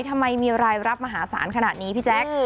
ทำไมมีรายรับมหาศาลขนาดนี้พี่แจ๊ค